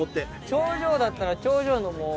頂上だったら。